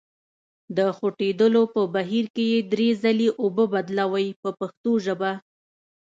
د خوټېدلو په بهیر کې یې درې ځلې اوبه بدلوئ په پښتو ژبه.